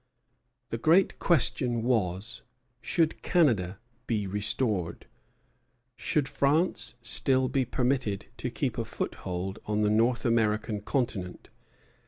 The great question was, Should Canada be restored? Should France still be permitted to keep a foothold on the North American continent?